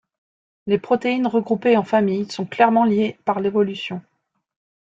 Les protéines regroupées en familles sont clairement liées par l'évolution.